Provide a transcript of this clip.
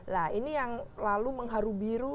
nah ini yang lalu mengharu biru